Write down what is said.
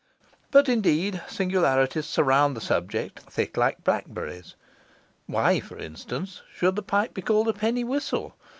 But indeed, singularities surround the subject, thick like blackberries. Why, for instance, should the pipe be called a penny whistle?